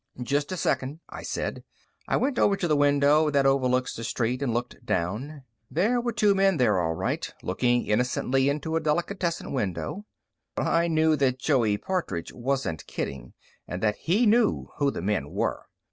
"Just a second," I said. I went over to the window that overlooks the street and looked down. There were two men there, all right, looking innocently into a delicatessen window. But I knew that Joey Partridge wasn't kidding, and that he knew who the men were.